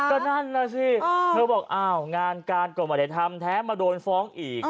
ก็นั่นแหละสิเธอบอกงานการกรรมวัฒนธรรมแท้มาโดนฟ้องอีก